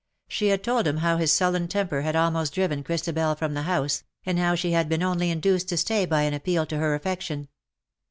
She had told him how his sullen temper had almost driven Christabel from the house^ and how she had been only induced to stay by an appeal to her affection.